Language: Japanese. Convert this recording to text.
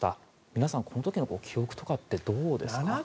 皆さん、この時の記憶とかってどうですか？